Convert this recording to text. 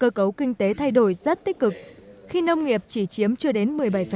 cơ cấu kinh tế thay đổi rất tích cực khi nông nghiệp chỉ chiếm chưa đến một mươi bảy